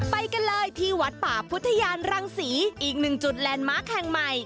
ไปกันเลยที่วัดป่าพุทธยานรังศรีอีกหนึ่งจุดแลนด์มาร์คแห่งใหม่